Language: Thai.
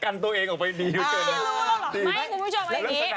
เขากันตัวเองออกไปดีครับ